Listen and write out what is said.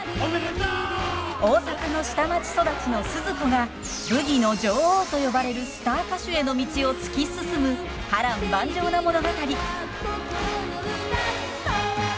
大阪の下町育ちのスズ子がブギの女王と呼ばれるスター歌手への道を突き進む波乱万丈な物語。へいっ！